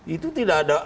itu tidak ada tidak ada